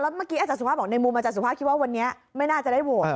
เมื่อกี้อาจารย์สุภาพบอกในมุมอาจารย์สุภาพคิดว่าวันนี้ไม่น่าจะได้โหวต